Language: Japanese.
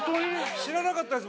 知らなかったです